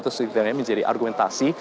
atau secara tidak menjadi argumentasi